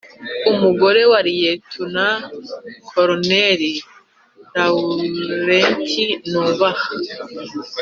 umugore wa liyetona koloneli lawurenti nubaha.